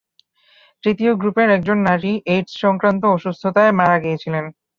তৃতীয় গ্রুপের একজন নারী এইডস সংক্রান্ত অসুস্থতায় মারা গিয়েছিলেন।